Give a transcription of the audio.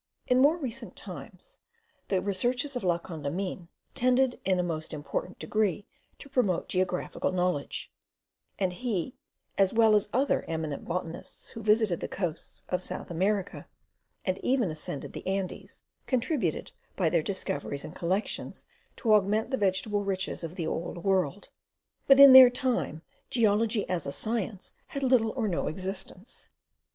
In more recent times, the researches of La Condamine tended in a most important degree to promote geographical knowledge; and he, as well as other eminent botanists who visited the coasts of South America, and even ascended the Andes, contributed by their discoveries and collections to augment the vegetable riches of the Old World. But, in their time, geology as a science had little or no existence.